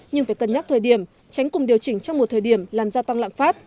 nhưng phải cân nhắc thời điểm tránh cùng điều chỉnh trong một thời điểm làm gia tăng lạm phát